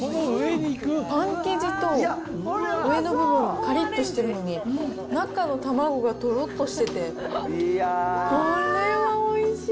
パン生地と上の部分がかりっとしてるのに、中のたまごがとろっとしてて、これはおいしい！